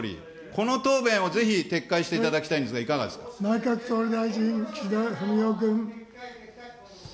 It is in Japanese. この答弁をぜひ撤回していただき内閣総理大臣、岸田文雄君。